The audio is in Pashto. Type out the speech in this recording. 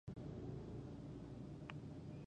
او په اړه يې معلومات ورکړي .